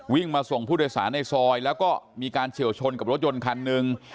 วิ่งมาส่งผู้โดยสารในซอยแล้วก็มีการเฉียวชนกับรถยนต์คันหนึ่ง